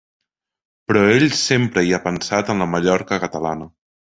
Però ell sempre hi ha pensat en la Mallorca catalana.